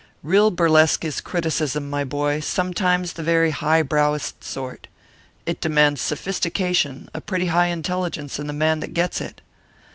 Real burlesque is criticism, my boy; sometimes the very high browest sort. It demands sophistication, a pretty high intelligence in the man that gets it.